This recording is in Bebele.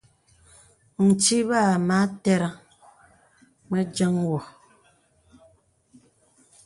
Ntí bà amà tərəŋ mə diəŋ gô.